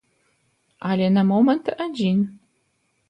Але на момант адзін.